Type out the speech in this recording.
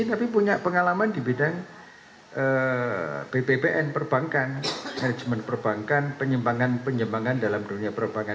tapi punya pengalaman di bidang bbbn perbankan manajemen perbankan penyembangan penyembangan dalam dunia perbankan